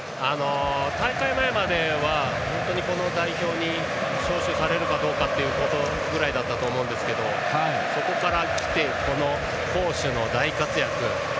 大会前までは、この代表に招集されるかどうかぐらいだったと思いますがそこからきて攻守の大活躍。